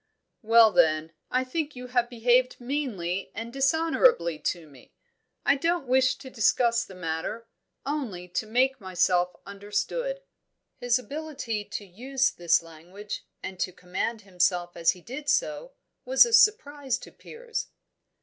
"Well, then, I think you have behaved meanly and dishonourably to me. I don't wish to discuss the matter, only to make myself understood." His ability to use this language, and to command himself as he did so, was a surprise to Piers.